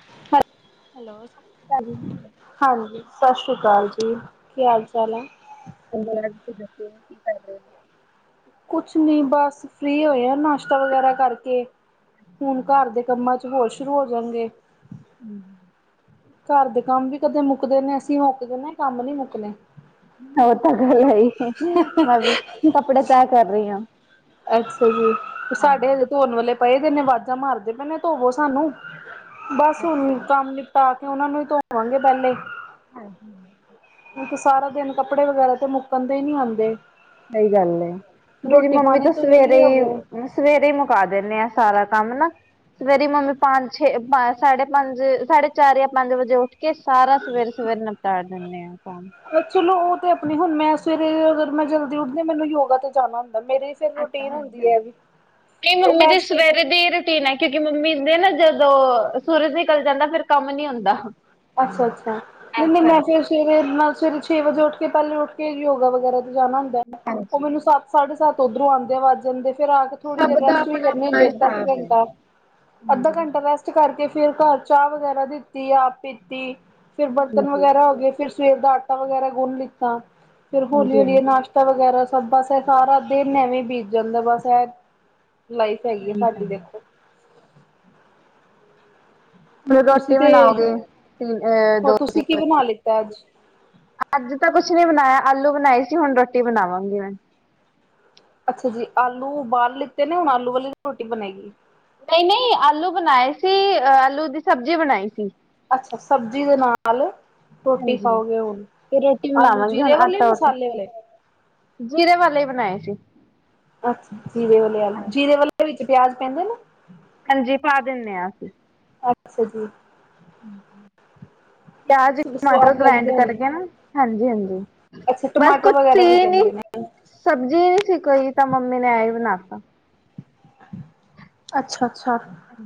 Hello ਸਤਿ ਸ਼੍ਰੀ ਅਕਾਲ ਜੀ [unintelligible] ਹਾਂਜੀ ਸਤਿ ਸ਼੍ਰੀ ਅਕਾਲ ਜੀ ਕੀ ਹਾਲ ਚਾਲ ਹੈ? ਬਸ ਤੁਸੀਂ ਦੱਸੋ ਕੀ ਕਰ ਰਹੇ ਹੋ? ਕੁਛ ਨੀ ਬਸ ਫ੍ਰਰੀ ਹੋਏਆ ਨਾਸ਼ਤਾ ਵਗੈਰਾ ਕਰਕੇ। ਹੁਣ ਘਰ ਦੇ ਕੰਮਾਂ ਚ ਹੋਰ ਸ਼ੁਰੂ ਹੋ ਜਾਣਗੇ। ਹਮ [unintelligible] ਘਰ ਦੇ ਕੰਮ ਵੀ ਕਦੇ ਮੁੱਕਦੇ ਨੇ। ਅਸੀਂ ਮੁੱਕ ਜਨੇ ਕੰਮ ਨੀ ਮੁੱਕਦੇ। ਉਹ ਤਾਂ ਗੱਲ ਹੈ ਹੀ ਮੈਂ ਵੀ ਕੱਪੜੇ ਤੈਅ ਕਰ ਰਹੀ ਹਾਂ। ਅੱਛਾ ਜੀ ਸਾਡੇ ਅਜੇ ਧੋਣ ਵਾਲੇ। ਪਾਏ ਦੇ ਨੇ ਵਾਜ਼ਾਂ ਮਾਰਦੇ ਪਏ ਨੇ ਧੋਵੋ ਸਾਨੂੰ ਬਸ ਹੁਣ ਕੰਮ ਨਿਪਟਾ। ਤੇ ਉਹਨਾਂ ਨੂੰ ਹੀ ਧੋਵਾਂਗੇ ਪਹਿਲੇ। ਹਾਂਜੀ। ਤੇ ਸਾਰਾ ਦਿਨ ਕੱਪੜੇ ਵਗੈਰਾ ਤੇ ਮੁੱਕਣ ਤੇ ਹੀ ਨੀ ਆਉਂਦੇ। ਸਹੀ ਗੱਲ ਏ ਮੇਰੀ ਰੋਟੀ ਮੰਮੀ ਪਾਣੀ ਤਾਂ ਤੋਂ ਸਵੇਰੇ ਵਿਹਲੇ ਹੋਵੋ ਹੀ ਸਵੇਰੇ ਹੀ ਮੁਕਾ ਦਿੰਦੇ ਆ ਸਾਰਾ। ਕੰਮ ਨਾ ਸਵੇਰੇ ਮੰਮੀ ਪੰਜ ਛੇ ਸਾਢੇ ਪੰਜ ਸਾਢੇ ਚਾਰ ਜਾਂ ਪੰਜ ਵਜੇ ਉੱਠ। ਕੇ ਸਾਰਾ ਸਵੇਰੇ ਸਵੇਰੇ ਨਿਪਟਾ ਦਿੰਦੇ ਆ ਕੰਮ। ਚਲੋ ਉਹ ਤੇ ਆਪਣੀ ਹੁਣ ਮੈਂ ਸਵੇਰੇ ਅਗਰ ਮੈਂ ਜਲਦੀ ਉੱਠਦੀ ਮੈਨੂੰ ਯੋਗਾ ਤੇ ਜਾਣਾ ਹੁੰਦਾ। ਮੇਰੀ ਫਿਰ ਰੂਟੀਨ ਹੁੰਦੀ ਹੈ ਵੀ। ਨਹੀਂ ਉਹ ਮੰਮੀ ਮੈਂ ਦੀ ਸਵੇਰੇ ਦੀ ਰੂਟੀਨ ਹੈ ਕਿਉਂਕਿ ਮੰਮੀ ਨੇ ਨਾ ਜਦ। ਜਦੋਂ ਸੂਰਜ ਨਿਕਲ ਜਾਂਦਾ ਫੇਿਰ ਕੰਮ ਨੀ ਹੁੰਦਾ। ਅੱਛਾ-ਅੱਛਾ, ਐਸ ਨਹੀਂ-ਨਹੀਂ ਮੈਂ ਕਰਕੇ। ਫੇਰ ਸਵੇਰੇ ਨਾਲ ਸਵੇਰੇ ਛੇ ਵਜੇ ਉੱਠ ਕੇ ਪਹਿਲੇ ਉੱਠ ਕੇ ਯੋਗਾ ਵਗੈਰਾ ਜਾਣਾ ਹੁੰਦਾ ਹੈ, ਉਹ ਮੈਨੂੰ ਸੱ ਸਾਢੇ ਸੱਤ ਉੱਧਰੋਂ ਆਉਂਦੇ ਆੱਜ ਜਾਂਦੇ। ਫੇਰ ਆ ਕੇ ਥੋੜੀ ਦੇਰ ਰੈਸਟ ਵੀ ਕਰਨੀ ਹੁੰਦੇ ਐ, ਅੱਧਾ ਘੰਟਾ ਅੱਧਾ ਹਾਂਜੀ ਘੰਟਾ ਰੈਸਟ ਕਰਕੇ, ਫਿਰ ਘਰ ਚਾਹ ਵਗੈਰਾ ਦਿੱਤੀ, ਆਪ ਪੀਤੀ ਫਿਰ ਬਰਤਨ ਵਗੈਰਾ ਹੋ ਗਏ ਫਿਰ ਸਵੇਰ ਦਾ ਵਗੈਰਾ ਗੁੰਣ ਲਿੱਤਾ ਫੇਰ ਹਾਂਜੀ ਹੌਲੀ-ਹੌਲੀ ਹਾਂਜੀ। ਨਾਸ਼ਤਾ ਵਗੈਰਾ। ਬਸ ਇਹ ਸਾਰਾ ਦਿਨ ਐਵੇਂ ਬੀਤ ਜਾਂਦਾ ਬਸ ਇਹ, ਲਾਈਫ ਹੈਗੀ ਆ, ਸਾਡੀ ਦੇਖੋ। ਤੁਸੀਂ ਰੋਟੀ ਤੇ ਬਣਾਓਗੇ ਹੋਰ ਦੋ ਤੁਸੀਂ ਕੀ ਬਣਾ ਲਿੱਤਾ ਅੱਜ ਅੱਜ ਤਾਂ ਕੁਛ ਨੀ ਬਣਾਇਆ ਆਲੂ ਬਣਾਈ ਸੀ, ਹੁਣ ਰੋਟੀ ਬਣਾਵਾਂਗੀ ਮੈਂ। ਅੱਛਾ ਜੀ ਆਲੂ ਬਾਲ ਲਿੱਤੇ ਨੇ ਹੁਣ ਆਲੂ ਵਾਲੀ ਰੋਟੀ ਬਣੇਗੀ। ਨਹੀਂ-ਨਹੀਂ ਆਲੂ ਬਣਾਏ ਸੀ, ਅ ਆਲੂ ਦੀ ਸਬਜ਼ੀ ਬਣਾਈ ਸੀ। ਅੱਛਾ ਸਬਜ਼ੀ ਦੇ ਨਾਲ, ਰੋਟੀ ਹਾਂਜੀ ਖਾਓਗੇ, ਹੁਣ ਤੇ ਰੋਟੀ ਆਲੂ ਬਣਾਵਾਂਗੇ ਹੁਣ ਜੀਰੇ ਵਾਲੇ ਆਟਾ ਉਟਾ ਮਸਾਲੇ ਵਾਲੇ। ਜੀਰੇ ਵਾਲੇ ਬਣਾਏ ਸੀ। ਅੱਛ ਜੀਰੇ ਵਾਲੇ ਜੀਰੇ ਵਾਲੇ ਵਿੱਚ ਪਿਆਜ ਪੈਂਦੇ ਨੇ, ਹਾਂਜੀ। ਪਾ ਦਿੰਦੇ ਹਾਂ ਅਸੀਂ। ਅੱਛਾ ਜੀ। ਹਮ। ਪਿਆਜ ਟਮਾਟਰ ਸਵਾਦ ਗ੍ਰੈਂਡ ਲੱਗਦੇ ਹੋਣੇ ਕਰਕੇ ਨਾ ਹਾਂਜੀ ਹਾਂਜੀ ਅੱਛਾ ਬਸ ਟਮਾਟਰ ਕੁਛ ਵਗੈਰਾ ਵੀ ਸੀ ਨੀ। ਪੈਂਦੇ ਨੇ। ਸਬਜ਼ੀ ਸੀ ਕੋਈ ਤਾਂ ਮੰਮੀ ਨੇ ਐ ਹੀ ਬਣਾ ਤਾ। ਅੱਛਾ ਅੱਛਾ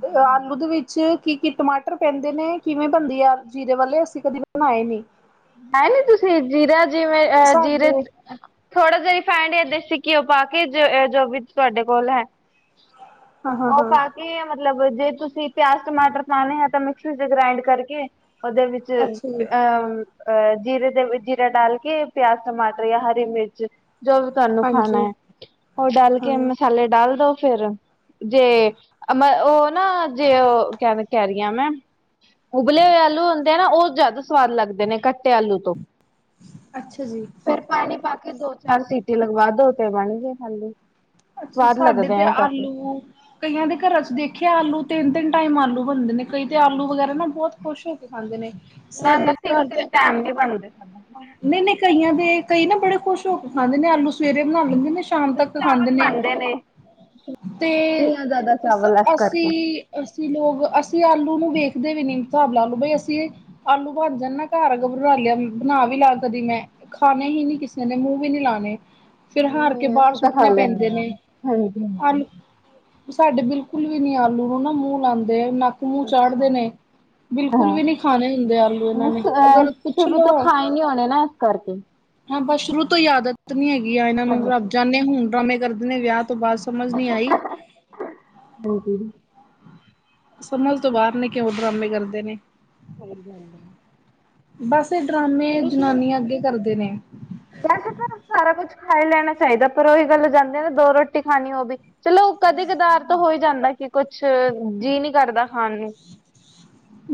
ਤੇ ਆਲੂ ਦੇ ਵਿੱਚ। ਕੀ ਕੀ ਟਮਾਟਰ ਪੈਂਦੇ ਨੇ ਕਿਵੇਂ ਬਣਦੀ ਯਾਰ ਜੀਰੇ ਵਾਲੇ ਅਸੀਂ ਕਦੇ ਬਣਾਏ ਨਹੀਂ। ਹੈ ਨੀ ਤੁਸੀਂ ਜੀਰਾ ਜਿਵੇਂ ਅਹ ਜੀਰੇ ਸਾਡੇ ਥੋੜਾ ਜਿਹਾ। ਰਿਫਾਇਡ ਜਾ ਦੇਸੀ ਘਿਓ ਪਾ ਕੇ ਜੋ ਜੋ ਵੀ ਤੁਹਾਡੇ ਕੋਲ ਹੈ। ਹਾਂ ਹਾਂ ਉਹ ਹਾਂ ਪਾ ਕੇ। ਮਤਲਬ ਜੇ ਤੁਸੀਂ ਪਿਆਜ ਟਮਾਟਰ ਪਾਉਣੇ ਆ ਤਾਂ ਮਿਕਸੀ ਚ ਗ੍ਰਾਇੰਡ ਕਰਕੇ। ਉਹਦੇ ਵਿੱਚ ਅੱਛਾ ਜੀ ਅਹ। ਅਹ ਜੀਰੇ ਦੇ ਵਿੱਚ ਜੀਰਾ ਡਾਲ ਕੇ ਪਿਆਜ਼ ਟਮਾਟਰ ਜਾਂ ਹਰੀ ਮਿਰਚ। ਜੋ ਵੀ ਤੁਹਾਨੂੰ ਖਾਣਾ ਹਾਂਜੀ ਹੈ ਉਹ ਡਲ ਕੇ ਹਾਂ। ਮਸਾਲੇ ਡਾਲ ਦੋ ਫ਼ਿਰ। ਜੇ ਮ ਉਹ ਨਾ ਜੇ ਉਹ ਕਹ ਕਹਿ ਰਹੀ ਹਾਂ ਮੈਂ? ਉਬਲੇ ਹੋਏ ਆਲੂ ਹੁੰਦੇ ਆ ਨਾ ਉਹ ਜ਼ਿਆਦਾ ਸਵਾਦ ਲੱਗਦੇ ਨੇ ਕੱਟੇ ਆਲੂ ਤੋਂ। ਅੱਛਾ ਜੀ। ਫਿਰ ਪਾਣੀ ਪਾ ਕੇ ਦੋ ਚਾਰ ਸੀਟੀ ਲਗਵਾ ਦੋ ਤੇ ਬਣ ਗਏ ਖਾਲੀ। ਅੱਛਾ ਸਾਡੇ ਤੇ ਆਲੂ ਕਈਆਂ ਦੇ ਘਰਾਂ ਚ ਦੇਖਿਆ ਆਲੂ। ਤਿੰਨ ਤਿੰਨ ਟਾਈਮ ਆਲੂ ਬਣਦੇ ਨੇ ਕਈ ਤੇ ਆਲੂ ਵਗੈਰਾ ਨਾ ਬਹੁਤ ਖੁਸ਼ ਹੋ ਕੇ ਖਾਂਦੇ ਨੇ। ਮੈ ਮੈਂ ਸਾਡੇ ਤਿੰਨ ਘਰ ਤੇ ਤਿੰਨ ਟੈਮ ਨਹੀਂ ਬਣਦੇ। ਨਹੀਂ ਨਹੀਂ ਕਈਆਂ ਦੇ ਕਈ ਨਾ ਬੜੇ ਖੁਸ਼ ਹੋ ਕੇ ਖਾਂਦੇ ਨੇ ਆਲੂ ਸਵੇਰੇ ਬਣਾ ਲੈਂਦੇ ਨੇ। ਸ਼ਾਮ ਤੱਕ ਖਾਂਦੇ ਨੇ। ਤੇ ਨਹੀਂ ਜ਼ਿਆਦਾ ਅ ਚਾਵਲ ਇਸ ਕਰਕੇ ਅਸੀਂ ਅਸੀਂ ਲੋਕ ਅਸੀਂ ਆਲੂ ਨੂੰ। ਵੇਖਦੇ ਵੀ ਨੀ ਹਿਸਾਬ ਲਾ ਲਓ ਬਈ ਅਸੀਂ ਆਲੂ ਬਣ ਜਾਣ ਨਾ ਘਰ ਅ ਬਰਾਲਿਆ [inaudible] ਬਣਾ ਕੇ ਵੀ ਲਾ ਕਦੀ ਮੈਂ ਖਾਣੇ ਹੀ ਨਹੀਂ ਕਿਸੇ ਨੇ ਮੂੰਹ ਵੀ ਨੀ ਲਾਉਣੇ। ਫਿਰ ਹਾਰ ਕੇ ਨਹੀਂ ਬਾਹਰ ਅਸੀਂ ਤਾਂ ਖਾ ਸੁੱਟਣੇ ਲੈਂਦੇ ਪੈਂਦੇ ਹਾਂ ਨੇ। ਹਾਂਜੀ ਹਾਂਜੀ ਆਲੂ ਸਾਡੇ ਬਿਲਕੁਲ ਵੀ ਨੀ ਆਲੂ ਨੂੰ ਨਾ ਮੂੰਹ ਲਾਉਂਦੇ ਨਾ। ਨੱਕ ਮੂੰਹ ਚਾੜਦੇ ਨੇ। ਬਿਲਕੁਲ ਹਾਂ ਵੀ ਨਹੀਂ ਖਾਣੇ ਹੁੰਦੇ ਆਲੂ ਇਹਨਾਂ ਨੇ ਨਹੀਂ ਅਗਰ ਪੁੱਛ ਸ਼ੁਰੂ ਤੋਂ ਲਓ। ਖਾਏ ਨੀ ਹੋਣੇ ਨਾ ਇਸ ਕਰਕੇ। ਬੁ ਸ਼ੁਰੂ ਤੋਂ ਆਦਤ ਨੀ ਹੈਗੀ ਐਨਾ ਨੂੰ। ਰੱਬ ਜਾਂਣੇ ਹੁਣ ਡਰਾਮੇ ਕਰਦੇ ਨੇ ਵਿਆਹ ਤੋਂ ਬਾਤ ਸਮਝ ਨਹੀਂ ਆਈ। ਹਾਂਜੀ ਸਮਝ ਤੋਂ ਬਾਹਰ ਨੇ, ਕਿਉਂ ਡਰਾਮੇ ਕਰਦੇ ਨੇ [unintelligible] ਬਸ। ਇਹ ਡਰਾਮੇ ਜਨਾਨੀਆਂ ਅੱਗੇ ਕਰਦੇ ਨੇ। ਖਾਈ ਲੈਣਾ ਚਾਹੀਦਾ। ਪਰ ਉਹੀ ਗੱਲ ਜਾਂਦੇ ਨਾ ਦੋ ਰੋਟੀ ਖਾਣੀ ਉਹ ਵੀ ਚਲੋ। ਉਹ ਕਦੀ- ਕਦਾਰ ਤੋਂ ਹੋਈ ਜਾਂਦਾ ਏ। ਕਿ ਕੁਛ, ਜੀਅ ਨਹੀਂ ਕਰਦਾ ਖਾਣ ਨੂੰ।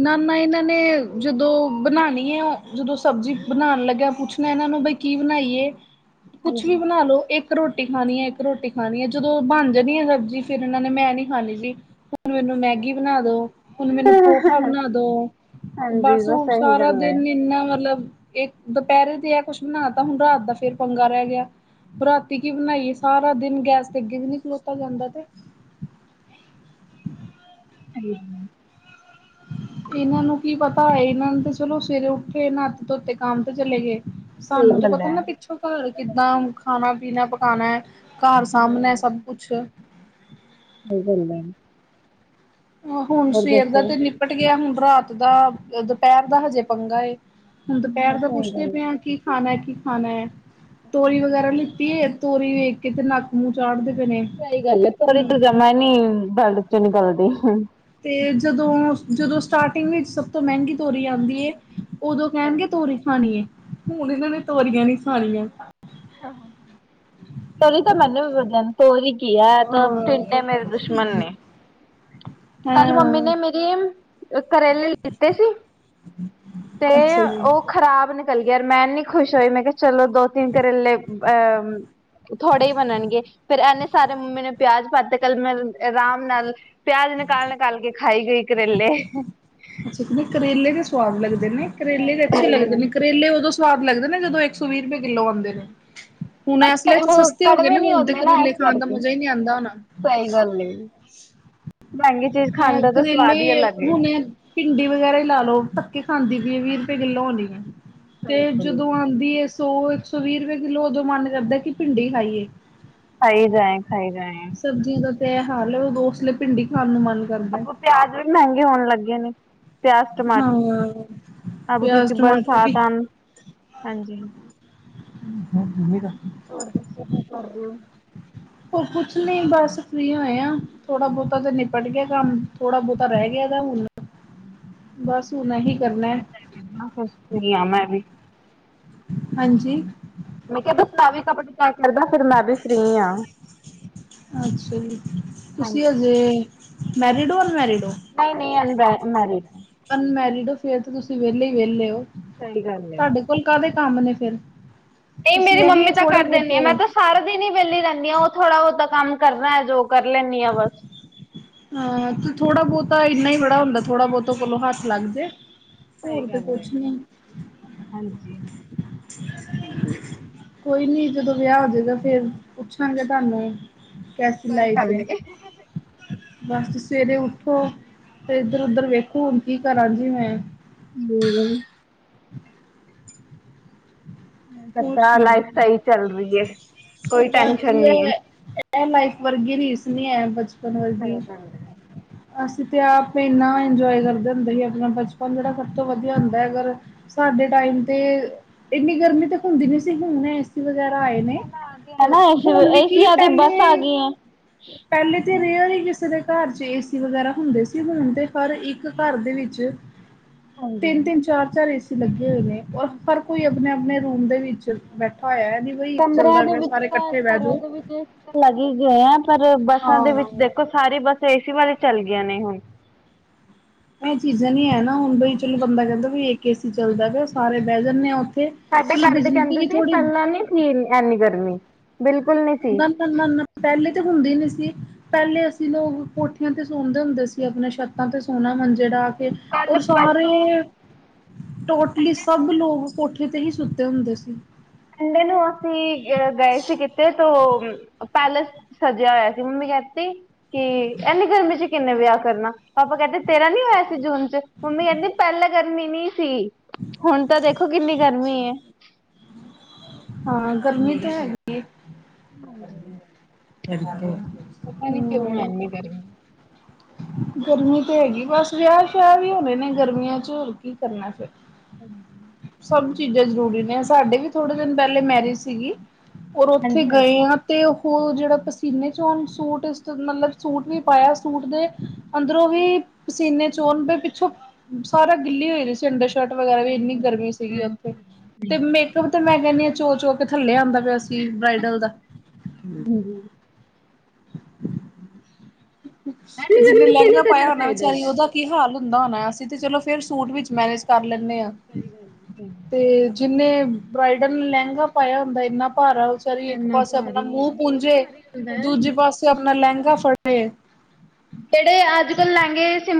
ਨਾ ਨਾ ਇਹਨਾਂ ਨੇ, ਜਦੋਂ ਬਣਾਉਣੀ ਐ। ਉਦੋ ਸਬਜ਼ੀ ਬਣਾਉਣ ਲੱਗਿਆ ਪੁੱਛਣਾ ਨਾਂ ਹਨਾਂ ਬਾਈ ਕੀ ਬਣਾਈਏ, ਕੁੱਛ ਵੀ ਹਾਂਜੀ ਬਣਾ ਲੋ। ਇੱਕ ਰੋਟੀ ਰੋਟੀ ਖਾਣੀ ਐ। ਇੱਕ ਰੋਟੀ ਖਾਣੀ ਐ। ਜਦੋਂ ਬਣ ਜਾਣੀ ਐ। ਸਬਜ਼ੀ ਫੇਰ ਇਹਨਾਂ ਨੇ ਮੈਂ ਨੀ ਖਾਣੀ ਜੀ। ਹੁਣ ਮੈਨੂੰ ਮੈਂ ਗੀ ਬਣਾ ਦੋ ਮੈਨੂੰ ਪੋਹਾ ਬਣਾ ਦੋ, ਹਾਂਜੀ ਬਸ ਉਹ ਇਹੀ ਸਾਰਾ ਗੱਲ ਹੈ ਦਿਨ ਇੰਨਾ ਮਤਲਬ ਇਹ ਦੁਪਹਿਰੇ ਦੇ ਆ ਕੁਛ ਬਣਾ ਤਾਂ। ਹੁਣ ਰਾਤ ਦਾ ਫੇਰ ਪੰਗਾ ਰਹਿ ਗਿਆ। ਰਾਤੀ ਕੀ ਬਣਾਈਏ। ਸਾਰਾ ਦਿਨ ਗੈਸ ਤੇ ਅੱਗੇ ਵੀ ਨਹੀਂ ਖਲੋਤਾ ਜਾਂਦਾ ਤੇ [unintelligible] ਇਹਨਾਂ ਨੂੰ ਕੀ ਪਤਾ ਐ। ਇਹਨਾਂ ਨੇ ਤੇ ਚਲੋ ਸਵੇਰੇ ਉੱਠੇ ਨਾਤੇ-ਧੋਤੇ ਕੰਮ ਤੇ ਚਲੇ ਗਏ ਸਾਨੂੰ ਸਹੀ ਤਾਂ ਗੱਲ ਪਤਾ ਹੈ ਨਾ। ਪਿੱਛੋਂ ਘਰ ਕਿੱਦਾਂ ਖਾਣਾ-ਪੀਣਾ ਪਕਾਣਾ ਐ। ਘਰ ਸਾਹਮਣੇ ਐ ਸਭ ਕੁਛ ਬੁਹ ਗੰਦੇ ਨੇਂ ਹੁਣ ਸਵੇਰ ਦਾ ਤੇ ਨਿੱਪਟ ਗਿਆ। ਹੁਣ ਰਾਤ ਦਾ ਅ ਦੁਪਹਿਰ ਦਾ ਹਜੇ ਪੰਗਾ ਏ। ਹੁਣ ਦੁਪਹਿਰ ਤਾਂ ਸਹੀ ਪੁੱਛਦੇ ਗੱਲ ਪਏ ਹੈ, ਹ ਕੀ ਖਾਣਾ ਹੈ, ਕੀ ਖਾਣਾ ਹੈ ਤੋਰੀ ਵਗੈਰਾ ਲਿੱਤੀ ਹੈ। ਤੋਰੀ ਵੇਖ ਕੇ ਤੇ ਨੱਕ ਮੂੰਹ ਚਾੜ ਦਿੱ ਸਹੀ ਗੱਲ ਹੈ, ਤੋਰੀ ਤੂੰ ਜਮਾ ਨੀ ਬਲ ਚ ਨੀ ਗਲਦੀ। ਤੇ ਜਦੋਂ-ਜਦੋਂ ਸਟਾਰਟਿੰਗ ਵਿੱਚ ਸਭ ਤੋਂ ਮਹਿੰਗੀ ਤੋਰੀ ਆਦੀ ਉਦੋਂ ਕਹਿਣਗੇ ਤੋਰੀ ਖਾਣੀ ਏ, ਹੁਣ ਇਹਨਾਂ ਨੇ ਤੋਰੀਆਂ ਨੀ ਖਾਣੀਆਂ। ਤੋਰੀ ਤਾਂ ਮੈਨੂੰ ਵੀ ਵਧੀਆ ਤੋਰੀ ਕਿਹਾ ਤਿੰਨੇ ਮੇਰੇ ਦੁਸ਼ਮਣ ਨੇ ਕੱਲ ਮੰਮੀ ਹਾਂ ਨੇ ਮੇਰੀ ਕਰੇਲੇ ਲਿੱਤੇ ਸੀ। ਤੇ ਅੱਛਾ ਜੀ। ਉਹ ਖ਼ਰਾਬ ਨਿਕਲ ਗਿਆ, ਯਾਰ ਮੈਂ ਨੀ ਖੁਸ਼ ਹੋਈ ਮੈਂ ਕਿਹਾ। ਚਲੋ ਦੋ ਤਿੰਨ ਕਰੇਲੇ ਅਹ ਥੋੜੇ ਹੀ ਬਣਨਗੇ ਫੇਰ ਇਨੇ ਸਾਰੇ ਮੰਮੀੇ ਨੇ ਪਿਆਜ ਪਾਤੇ ਕੱਲ ਮੈ ਆਰਾਮ ਨਾਲ ਪਿ ਤਲ-ਤਲ ਕੇ ਖਾਈ ਗਈ ਕਰੇਲੇ ਅੱਛਾ ਨਹੀਂ ਕਰੇਲੇ ਦੇ ਸਵਾਦ ਲੱਗਦੇ ਨੇ ਕਰੇਲੇ ਦੇ ਅੱਛੇ ਲੱਗਦੇ ਨੇ ਕਰੇਲੇ ਉਦੋਂ ਸਵਾਦ ਲੱਗਦੇ ਨੇ, ਜਦੋਂ ਇੱਕ ਸੌ ਵੀਹ ਰੁਪਏ ਕਿੱਲੋ ਹੁੰਦੇ ਨੇ ਹੁਣ ਇਸ ਲਈ [unintelligible] ਤਾਂ ਹੋ ਸਸਤੇ ਗਏ ਕੜਵੇ ਨੇ ਨੀ ਹੁਣ ਤੇ ਹੁੰਦੇ ਨਾ ਇਸ ਕਰੇਲੇ ਖਾਣ ਦਾ ਕਰਕੇ, ਮਜ਼ਾ ਹੀ ਨਹੀਂ ਆਉਂਦਾ ਹੋਣਾ ਸਹੀ ਗੱਲ ਐ। [unintelligible] ਅ ਕਰੇਲੇ ਏ ਹੁਣ ਭਿੰਡੀ ਵਗੈਰਾ ਹੀ ਲਾ ਲਓ, ਧੱਕੇ ਖਾਂਦੀ। ਵੀਹ ਰੁਪਏ ਕਿੱਲੋ ਹੋਣੀ, ਤੇ ਜਦੋਂ ਆਦੀ ਏ ਸੌ ਇੱਕ ਸੌ ਵੀਹ ਰੁਪਏ ਕਿੱਲੋ ਉਦੋਂ ਮਨ ਕਰਦਾ, ਕਿ ਭਿੰਡੀ ਹੀ ਖਾਈਏ। ਖਾਈ ਜਾਏ, ਖਾਈ ਜਾਏ। ਸਬਜ਼ੀਆਂ ਦਾ ਤੇ ਇਹ ਹਾਲ ਉਸਲੇ ਭਿੰਡੀ ਖਾਣ ਨੂੰ ਮਨ ਕਰਦਾ ਅੋ ਪਿਆਜ ਵੀ ਮਹਿੰਗੇ ਹੋਣ ਲੱਗੇ ਨੇ। ਪਿਆਜ਼ ਹਾਂ ਟਮਾਟਰ, ਅਬ ਪਿਆਜ਼ ਕਿਉਂਕਿ ਟਮਾਟਰ ਬਰਸਾਤ ਵੀ ਆਮ ਹਾਂਜੀ। [unintelligible] ਹੋਰ ਦੱਸੋ ਕੀ ਕਰਦੇ ਔ? ਉਹ ਕੁਛ ਨੀ ਬਸ ਫੀ ਹੋਏ, ਆ ਥੋੜਾ ਬਹੁਤਾ ਤੇ ਨਿਪਟ ਗਿਆ, ਕੰਮ ਥੋੜਾ ਬਹੁਤਾ ਰਹਿ ਗਿਆ। ਹੁਣ। ਬਸ ਹੁਣ ਇਹੀ ਕਰਨਾ ਆ ਮੈਂ ਵੀ ਹਾਂਜੀ। ਮੈਂ ਕਿਹਾ ਮੈਂ ਵੀ ਕਬਡੀ ਚੈਕ ਕਰਦਾ ਫਿਰ ਮੈਂ ਵੀ ਫ੍ਰਰੀ ਹਾਂ। ਅੱਛਾ ਜੀ, ਤੁਸੀਂ ਹਜੇ ਮੈਰਿਡ ਹੋ ਅਨਮੈਰਿਡ? ਹੋ ਨਹੀਂ-ਨਹੀਂ ਅਦਾ ਮੇਰੀਡ। ਅਨਮੈਰਿਡ ਹੋ ਫੇਰ ਤੁਸੀਂ ਵਿਹਲੇ ਹੀ ਵਿਹਲੇ ਹੋ? ਸਹੀ ਗੱਲ ਹੈ। ਤੁਹਾਡੇ ਕੋਲ ਕਾਹਦੇ ਕੰਮ ਨੇ ਫਿਰ। ਇਹ ਤੁਸੀਂ ਮੇਰੀ ਇਹੀ ਹੈ ਮੰਮੀ ਤਾਂ ਥੋੜ੍ਹੇ ਕਰ ਦਿੰਦੀ ਆ ਮੈਂ ਬਹੁਤੇ ਤਾਂ ਸਾਰਾ ਦਿਨ ਹੀ ਵਿਹਲੀ ਰਹਿੰਦੀ ਹਾਂ ਉਹ ਥੋੜ੍ਹਾ ਬਹੁਤਾ ਕੰਮ ਕਰਨਾ ਹੈ ਜੋ। ਕਰ ਲੈਂਦੀ ਆ ਬਸ। ਹਾਂ ਤੇ ਥੋੜਾ ਬਹੁਤਾ ਇੰਨਾ ਹੀ ਬੜਾ ਹੁੰਦਾ ਥੋੜਾ ਬਹੁਤਾਲੋਂ ਹੱਥ ਲੱਗ ਜੇ। ਹੋਰ ਸਹੀ ਤੇ ਗੱਲ ਏ, ਕੁਛ ਨੀ। ਹਾਂਜੀ। ਕੋਈ ਨੀ ਜਦੋਂ ਵਿਆਹ ਹੋਜੇਗਾ ਫੇਰ ਪੁੱਛਾਂਗੇ ਤੁਹਾਨੂੰ। ਕੈਸੀ ਲਾਈਫ ਹੈ। ਬਸ ਸਵੇਰੇ ਉੱਠੋ ਤੇ ਇੱਧਰ ਉਧਰ ਵੇਖੋ ਹੁਣ ਕੀ ਕਰਾਂ ਜੀ ਮੈਂ। ਹਮ। ਹੋਰ ਮੈਂਤਾ ਲਾਈਫ ਸੁਣਾਓ ਸਹੀ ਚੱਲ ਰਹੀ ਹੈ। ਬਸ ਜੀ ਇਹ ਇਹ ਲਾਈਫ ਵਰਗੀ ਰੀਸ ਨਹੀਂ ਹੈ ਬਪਨ। ਕ ਕਦੇ। ਅਸੀਂ ਤਾਂ ਆਪੇ ਇੰਨਾ ਇੰਜੋਏ ਕਰਦੇ ਹੁੰਦੇ ਸੀ ਆਪਣਾ ਬਚਪਨ ਜਿਹੜਾ ਸਭ ਤੋਂ ਵਧੀਆ ਹੁੰਦਾ ਹੈ ਅਗਰ। ਸਾਡੇ ਟਾਈਮ ਤੇ ਇੰਨੀ ਗਰਮੀ ਤੇ ਹੁੰਦੀ ਨੀ ਸੀ ਹੁਣ ਇਸ ਵ। ਵਗੈਰਾ ਆਏ ਨੇ ਹੈ ਨਾ ਏਸੀ ਹੁਣ ਵੀ ਕੀ ਏਸੀਆਂ ਦੀ ਬੱਸ ਆ ਪਹਿਲੇ। ਗਈ ਏ। ਪਹਿਲੇ ਤਾਂ ਰੇਅਰ ਈ ਕਿਸੇ ਦੇ। ਘਰ ਚ ਏਸੀ ਵਗੈਰਾ ਹੁੰਦੇ ਸੀ, ਹੁਣ ਤੇ ਪਰ ਇੱਕ ਘਰ ਦੇ ਵਿੱਚ। ਤਿੰਨ-ਤਿੰਨ, ਚਾਰ-ਚਾਰ ਇਸ। ਲੱਗੇ ਹੋਏ ਨੇ ਔਰ ਹਰ ਕੋਈ ਆਪਣੇ-ਆਪਣੇ ਰੂਮ ਦੇ ਵਿੱਚ ਬੈਠਾ ਹੋਇਆ ਹੈ। ਨੀ ਬਈ ਇੱਕ ਕਮਰਿਆਂ ਚੱਲਦਾ ਦੇ ਪਿਆ ਵਿੱਚ ਸਾਰੇ ਤਾਂ ਇਕੱਠੇ ਬਹਿ ਘਰਾਂ ਜਾਓ। ਦੇ ਵਿੱਚ ਲੱਗ ਹੀ ਗਏ ਆ ਪਰ। ਬੱਸਾਂ ਦੇ ਵਿੱਚ ਹਾਂ। ਦੇਖੋ ਸਾਰੀ ਬੱਸ ਏਸੀ ਵਾਲੇ ਚੱਲ ਗਈਆਂ ਨੇ ਹੁਣ। ਇਹ ਚੀਜ਼ਾਂ ਨਹੀਂ ਹੈ ਨਾ ਹੁਣ ਬਈ ਚਲੋ ਬੰਦਾ ਕਹਿੰਦਾ ਵੀ ਇਕ ਏਸੀ ਚੱਲਦਾ ਪਿਆ ਏ ਸਾਰੇ ਬਹਿ ਜਾਂਦੇ ਆ ਉਥੇ। ਸਾਡੇ ਘਰਦੇ ਕਹਿੰਦੇ ਸੀ ਪਹਿਲਾਂ ਨੀ ਸੀ ਏ ਐਨੀ ਗਰਮੀ। ਬਿਲਕੁਲ ਨਹੀਂ ਸੀ ਨਾ-ਨਾ-ਨਾ-ਨਾ ਪਹਿਲੇ। ਤੇ ਹੁੰਦੀ ਨੀ ਸੀ ਪਹਿਲੇ ਅਸੀਂ ਲੋਕ ਕੋਠੀਆਂ ਤੇ ਸੋਂਦੇ ਹੁੰਦੇ ਸੀ, ਆਪਣੇ ਛੱਤਾਂ ਤੇ ਸੋਣਾ ਮੰਝੇ ਡਾ। ਕੇ ਕੱਲ ਔਰ ਸਾਰੇ ਪਰਸੋਂ ਟੋਟਲੀ ਸਭ ਲੋਕ ਕੋਠੇ। ਤੇ ਹੀ ਸੂਤੇ ਹੁੰਦੇ ਸੀ। ਸੰਡੇ ਨੂੰ ਅਸੀਂ ਅ ਗਏ ਸੀ ਕਿਤੇ ਤੋ। ਪੈਲੇਸ ਸਜਿਆ ਹੋਇਆ ਸੀ, ਮੰਮੀ ਕਹਿਤੀ ਕਿ ਇੰਨੀ ਗਰਮੀ ਚ। ਕਿੰਨੇ ਵਿਆਹ ਕਰਨਾ ਪਾਪਾ ਕਹਿੰਦੇ ਤੇਰਾ ਨੀ ਹੋਇਆ ਸੀ ਜੂਨ ਚ, ਮੰਮੀ ਕਹਿੰਦੀ ਪਹਿਲਾਂ ਗਰਮੀ ਨੀ। ਸੀ ਹੁਣ ਤਾਂ ਦੇਖੋ ਕਿੰਨੀ ਗਰਮੀ ਹੈ। ਹਾਂ ਗਰਮੀ ਤੇ ਹੈਗੀ ਏ। ਪਤਾ ਨੀ ਕਿਉਂ ਹੈ ਹੂੰ ਇਨੀ ਗਰਮੀ। ਗਰਮੀ ਤੇ ਹੈਗੀ ਬਸ ਵਿਆਹ-ਸਿ਼ਆਹ ਵੀ ਹੋਣੇ ਨੇ ਗਰਮੀਆਂ ਚ ਹੋਰ ਕੀ ਕਰਨਾ ਫਿਰ। ਹਾਂਜੀ। ਸਭ ਚੀਜ਼ਾਂ ਜ਼ਰੂਰੀ ਨੇ ਸਾਡੇ ਵੀ ਥੋੜੇ ਦਿਨ ਪਹਿਲੇ ਮੈਰਿਜ ਸੀਗੀ ਔਰ ਉੱਥੇ ਗਏ ਆ ਤੇ ਉਹ। ਉਹ ਜਿਹੜਾ ਪਸੀਨੇ ਚੋਣ ਸੂਟ ਮਤਲਬ ਸੂਟ ਵੀ ਪਾਇਆ ਸੂਟ ਦੇ। ਅੰਦਰੋਂ ਵੀ ਪਸੀਨੇ ਚੋਣ ਪਏ ਪਿੱਛੋਂ ਸਾਰਾ ਗਿੱਲੀ ਹੋਈ ਰਹੀ ਸੀ ਅੰਡਰ। ਸ਼ਰਟ ਵਗੈਰਾ ਵੀ ਇੰਨੀ ਗਰਮੀ ਸੀਗੀ ਉੱਥੇ, ਤੇ ਮੇਕਅਪ ਤੇ ਮੈਂ ਕਹਿੰਦੀ ਹਾਂ ਚੋ-ਚੋ ਕੇ ਥੱਲੇ ਆਉਂਦਾ ਸੀ ਬ੍ਰਾਈਡਲ ਦਾ। ਜਿੰਨੇ ਲਹਿੰਗਾ ਪਾਇਆ ਹੋਣਾ ਵਿਚਾਰੀ ਉਹਦਾ ਕੀ ਹਾਲ ਹੁੰਦਾ ਹੋਣਾ ਅਸੀਂ। ਤੇ ਚਲੋ ਫੇਰ ਸੂਟ ਵਿੱਚ ਮੈਨੇਜ ਕਰ ਲੈਂਦੇ ਹਾਂ, ਤੇ ਜਿੰਨੇ। ਬ੍ਰਾਈਡਲ ਨੇ ਲਹਿੰਗਾ ਪਾਇਆ ਹੁੰਦਾ ਇੰਨਾ। ਭਾਰਾ ਵਿਚਾਰੀ ਇੱਕ ਪਾਸੇ ਆਪਣਾ ਮੂੰਹ ਪੂੰਜੇ, ਦੂਜੇ ਪਾਸੇ ਆਪਣਾ ਲਹਿੰਗਾ ਫੜੇ।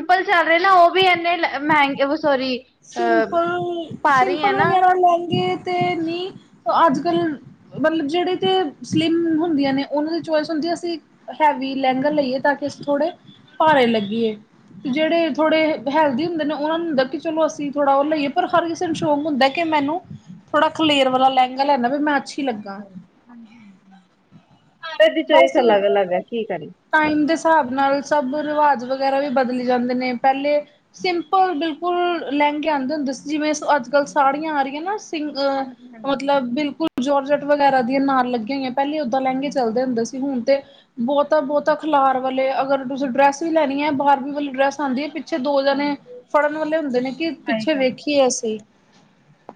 ਅੱਜ-ਕਲ ਚੱਲ ਰਹੇ ਨਾ ਉਹ ਵੀ ਇੰਨੇ ਮਹਿੰਗੇ। ਸੋਰੀ ਅ ਭਾਰੀ ਹੈ ਸਿੰਪਲ-ਸਿੰਪਲ ਨਾ ਵਗੈਰਾ ਲੈਹੰਗੇ ਤੇ ਨਹੀਂ। ਅੱਜ-ਕੱਲ੍ਹ। ਮਤਲਬ ਜਿਹੜੇ ਤੇ ਸਲਿਮ ਹੁੰਦੀਆਂ ਨੇ ਉਹਨਾਂ ਦੀ ਚੋਇਸ ਹੁੰਦੀ ਹੈ ਅਸੀਂ ਹੈਵੀ ਲੈਂਗਰ ਲਈਏ ਤਾਂ ਕਿ। ਥੋੜੇ ਭਾਰੇ ਲੱਗੀਏ ਤੇ ਜਿਹੜੇ ਥੋੜੇ ਹੈਲਦੀ ਹੁੰਦੇ ਨੇ ਉਹਨਾਂ ਨੂੰ ਹੁੰਦਾ ਕਿ। ਚਲੋ ਅਸੀਂ ਥੋੜਾ ਉਹ ਲਈਏ ਪਰ ਹਰ ਕਿਸੇ ਨੂੰ ਸ਼ੌਕ ਹੁੰਦਾ ਕਿ ਮੈਨੂੰ ਥੋੜਾ ਖਲੇਰ ਵਾਲਾ ਲਹਿੰਗਾ ਲੈਣਾ ਵੀ ਮੈਂ ਅੱਛੀ ਸਹੀ ਲੱਗਾ ਗੱਲ, ਹਾਂਜੀ ਹਾਂਜੀ ਹਾਂਜੀ ਕਿਸੇ ਦੀ ਬਸ ਚੋਇਸ ਅਲੱਗ ਅਲੱਗ ਹੈ ਕੀ ਕਰਿਏ। ਟਾਈਮ ਦੇ ਹਿਸਾਬ ਨਾਲ ਸਭ ਰਿਵਾਜ਼ ਵਗੈਰਾ ਵੀ ਬਦਲੀ ਜਾਂਦੇ ਨੇ ਪਹਿਲੇ ਸਿੰਪਲ ਬਿਲਕੁਲ ਲਹਿੰਗੇ ਆਉਂਦੇ ਹੁੰਦੇ ਜਿਵੇਂ ਅੱਜ ਕੱਲ੍ਹ ਸਾੜੀਆਂ ਆ ਰਹੀਆਂ ਨਾ ਪੀਂਘ ਮਤਲਬ ਬਿਲਕੁਲ ਜੋਰਜਟ ਵਗੈਰਾ ਦੀਆਂ ਨਾਲ ਲੱਗਿਆ ਹੋਈਆਂ ਪਹਿਲਾਂ ਓਦਾਂ ਲਹੰਗੇ ਚ ਚੱਲਦੇ ਹੁੰਦੇ ਸੀ ਹੁਣ ਤੇ ਬਹੁਤਾ ਬਹੁਤਾ ਖਿਲਾਰ ਵਾਲੇ ਅਗਰ ਤੁਸੀਂ ਡਰੈਸ ਹੀ ਲੈਣੀ ਹੈ ਬਾਹਰ ਉਹ ਵਾਲੀ ਡਰੈਸ ਆਉਂਦੀ ਹੈ ਪਿੱਛੇ ਦੋ ਜਾਣੇ ਫੜਨ ਵਾਲੇ ਹੁੰਦੇ ਨੇ ਕਿ ਸਹੀ ਪਿੱਛੇ ਗੱਲ ਵੇਖੀਏ ਅਸੀਂ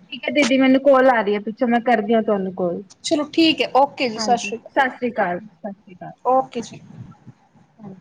ਠੀਕ ਹੈ ਦੀਦੀ ਮੈਨੂੰ ਕੋਲ ਆ ਰਹੀ ਹੈ ਪਿੱਛੋਂ ਮੈਂ ਕਰਦੀ ਹਾਂ ਤੁਹਾਨੂੰ। ਕੋਈ ਨੀ, ਚਲੋ ਠੀਕ ਹੈ ਓਕੇ ਜੀ ਹਾਂਜੀ ਸ਼੍ਰੀ ਸਤਿ ਸ੍ਰੀ ਅਕਾਲ ਜੀ, ਸਤਿ ਸ਼੍ਰੀ ਅਕਾਲ। ਓਕੇ ਜੀ ਹਾਂਜੀ।